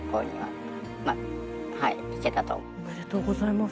おめでとうございます。